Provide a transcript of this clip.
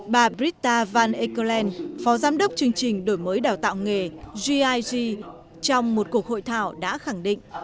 bà bridta van ekelen phó giám đốc chương trình đổi mới đào tạo nghề gig trong một cuộc hội thảo đã khẳng định